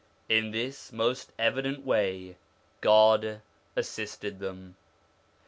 In this most evident way God assisted them.